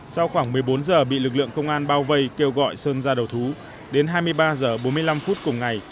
sau khoảng một mươi bốn h bị lực lượng công an bao vây kêu gọi sơn ra đầu thú đến hai mươi ba h bốn mươi năm phút cùng ngày